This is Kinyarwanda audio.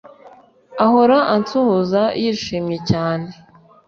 ahora ansuhuza yishimye cyane,